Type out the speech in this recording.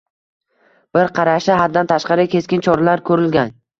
bir qarashda haddan tashqari keskin choralar ko‘rilgan.